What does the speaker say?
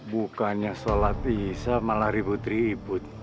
bukannya sholat bisa malah ribut ribut